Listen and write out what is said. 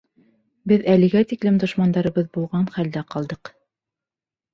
Беҙ әлегә тиклем дошмандарыбыҙ булған хәлдә ҡалдыҡ.